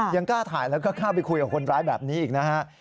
ยังกล้าถ่ายแล้วก็เข้าไปคุยกับคนร้ายแบบนี้อีกนะฮะ